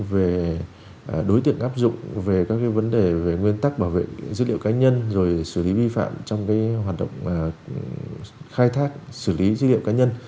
về đối tượng áp dụng về các vấn đề về nguyên tắc bảo vệ dữ liệu cá nhân rồi xử lý vi phạm trong hoạt động khai thác xử lý dữ liệu cá nhân